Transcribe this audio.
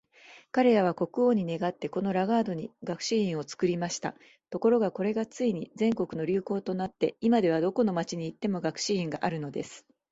彼等は国王に願って、このラガードに学士院を作りました。ところが、これがついに全国の流行となって、今では、どこの町に行っても学士院があるのです。